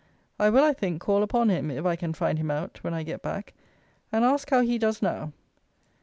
I will, I think, call upon him (if I can find him out) when I get back, and ask how he does now?